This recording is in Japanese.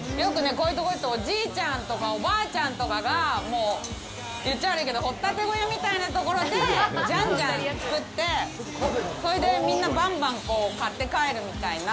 よくね、こういうところって、おじいちゃんとかおばあちゃんとかが、言っちゃ悪いけど、掘っ立て小屋みたいなところでジャンジャン作って、それでみんな、バンバン買って帰るみたいな。